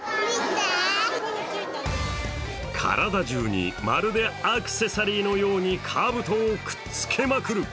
体中にまるでアクセサリーのようにカブトをくっつけまくる。